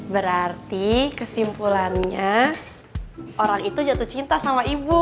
berarti kesimpulannya orang itu jatuh cinta sama ibu